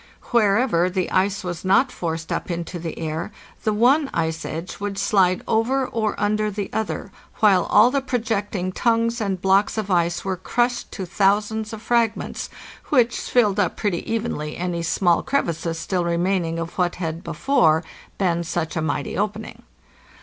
© Wher ever the ice was not forced up into the air, the one ice edge would slide over or under the other, while all the projecting tongues and blocks of ice were crushed to thousands of frag ments, which filled up pretty evenly any small crevices still re maining of what had before been such a mighty opening.